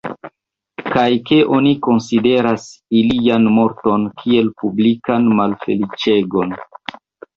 Kaj ke oni konsideras ilian morton kiel publikan malfeliĉegon.